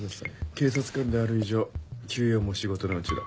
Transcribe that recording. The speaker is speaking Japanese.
警察官である以上休養も仕事のうちだ。